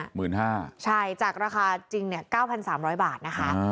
หมื่นห้าใช่จากราคาจริงเนี่ยเก้าพันสามร้อยบาทนะคะ